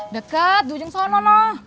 deket dujung sana no